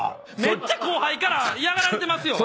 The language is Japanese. めっちゃ後輩から嫌がられてますよ！